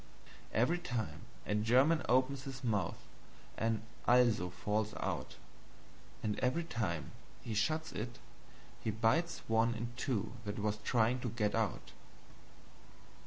Every time a German opens his mouth an ALSO falls out; and every time he shuts it he bites one in two that was trying to GET out.